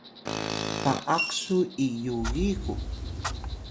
baaq su’ i yugi’ qu?